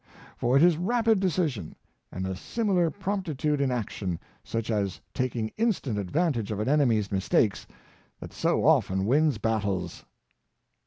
For it is rapid decision, and a similar promptitude in action, such as taking instant advantage of an enemy's mistakes, that so often wins battles.